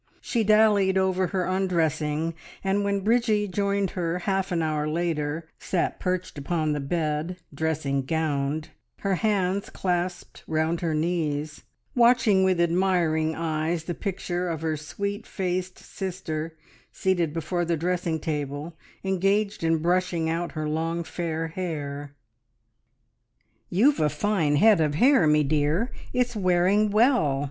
She dallied over her undressing, and when Bridgie joined her half an hour later, sat perched upon the bed, dressing gowned, her hands clasped round her knees, watching with admiring eyes the picture of her sweet faced sister seated before the dressing table engaged in brushing out her long fair hair. "You've a fine head of hair, me dear! It's wearing well.